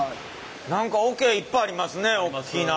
何か桶いっぱいありますね大きな。